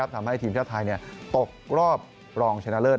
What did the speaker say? ทำให้ทีมชาติไทยตกรอบรองชนะเลิศ